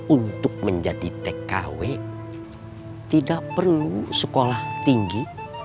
untuk menjadi tkw tidak perlu sekolah tinggi